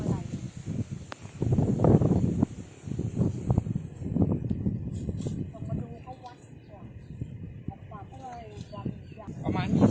หรือมันน่ะเขากลับมาไร